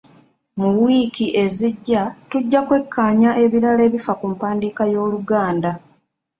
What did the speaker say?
Mu wiiki ezijja tujja kwekkaanya ebirala ebifa ku mpandiika y'Oluganda.